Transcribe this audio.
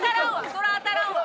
そら当たらんわ！